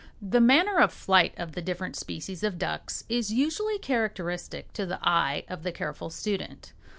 The manner of flight of the different species of ducks is usually characteristic to the eye of the careful student.